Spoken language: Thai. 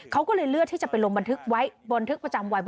เขาก็เลือกที่จะเป็นโรงบันทึกไว้บันทึกประจำไว้